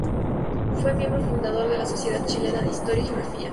Fue miembro fundador de la Sociedad Chilena de Historia y Geografía.